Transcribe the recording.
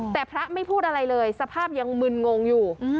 แต่พระไม่พูดอะไรเลยสภาพยังมึนงงอยู่